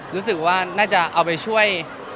รู้สึกว่าน่าจะเอาไปช่วย